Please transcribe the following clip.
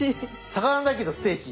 魚だけど「ステーキ」。